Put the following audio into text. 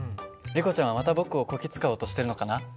リコちゃんはまた僕をこき使おうとしてるのかな？